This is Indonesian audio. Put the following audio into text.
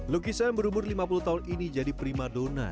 lukisan berumur lima puluh tahun ini jadi prima donna